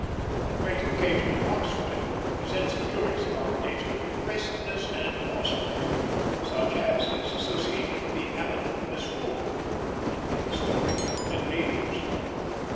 The great occasion at Oxford presents a curious combination of impressiveness and horse play, such as is associated with the Abbot of Misrule, in the stories of the Middle Ages.